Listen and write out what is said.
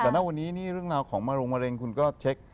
แต่ณวันนี้นี่เรื่องราวของมะโรงมะเร็งคุณก็เช็ค